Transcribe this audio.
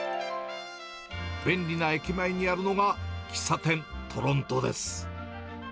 便利な駅前にあるのが、喫茶店トロントです。